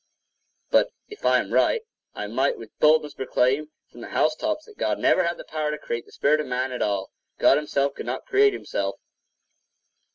But if I am right, I might with boldness proclaim from the house tops that God never had the power to create the spirit of man at all. God himself could not create himself.